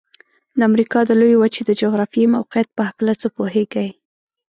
د امریکا د لویې وچې د جغرافيايي موقعیت په هلکه څه پوهیږئ؟